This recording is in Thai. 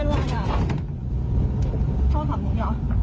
นี่ตำรวจ